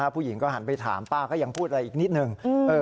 ผู้หญิงก็หันไปถามป้าก็ยังพูดอะไรอีกนิดนึง